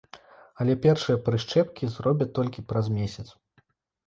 Але першыя прышчэпкі зробяць толькі праз месяц.